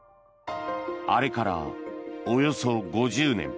あれからおよそ５０年。